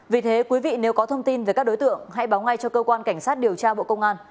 vì thế quý vị nếu có thông tin về các đối tượng hãy báo ngay cho cơ quan cảnh sát điều tra bộ công an